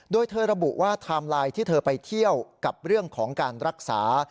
โดยเธอระบุว่าไทม์ไลน์ที่เธอไปเที่ยวกับเรื่องของการรักษา